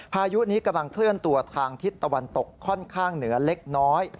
พายุนี้กำลังเคลื่อนตัวทางทิศตะวันตกค่อนข้างเหนือเล็กน้อย